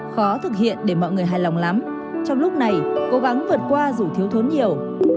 khó thực hiện để mọi người hài lòng lắm trong lúc này cố gắng vượt qua dù thiếu thốn nhiều